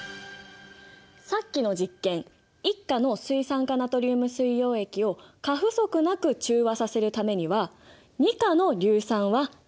さっきの実験１価の水酸化ナトリウム水溶液を過不足なく中和させるためには２価の硫酸は何ｍＬ必要？